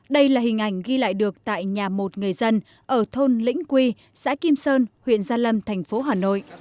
đây là hình ảnh ghi lại được tại nhà một người dân ở thôn lĩnh quy xã kim sơn huyện gia lâm thành phố hà nội